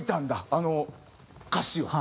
あの歌詞は。